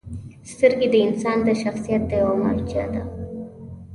• سترګې د انسان د شخصیت یوه مرجع ده.